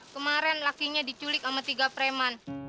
kemarin lakinya diculik sama tiga preman